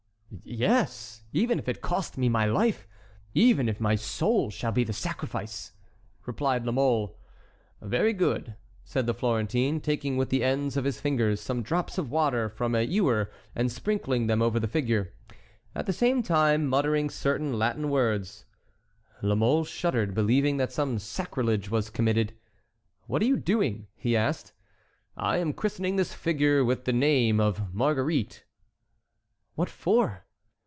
"Yes, even if it cost me my life—even if my soul should be the sacrifice!" replied La Mole. "Very good," said the Florentine, taking with the ends of his fingers some drops of water from a ewer and sprinkling them over the figure, at the same time muttering certain Latin words. La Mole shuddered, believing that some sacrilege was committed. "What are you doing?" he asked. "I am christening this figure with the name of Marguerite." "What for?"